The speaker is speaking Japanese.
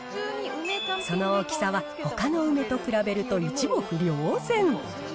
その大きさはほかの梅と比べると一目りょう然。